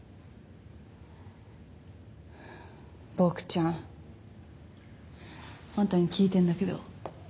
ボクちゃん。あんたに聞いてんだけど。